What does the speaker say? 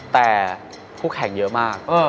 แต่คู่แข่งเยอะมาก